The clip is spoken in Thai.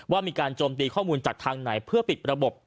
ว่ามีการโจมตีข้อมูลจากทางไหนเพื่อปิดระบบ